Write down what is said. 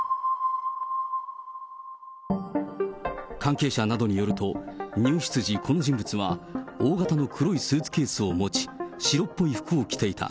関係者などによると、入室時、この人物は大型の黒いスーツケースを持ち、白っぽい服を着ていた。